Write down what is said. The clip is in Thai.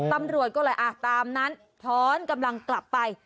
ตำรวจก็เลยตามนั้นท้อนกำลังกลับไป